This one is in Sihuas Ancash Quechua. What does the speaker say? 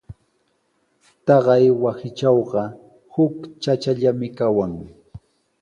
Taqay wasitrawqa huk chachallami kawan.